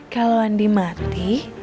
kalau andi mati